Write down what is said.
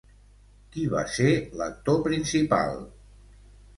Qui va ser l'actor principal?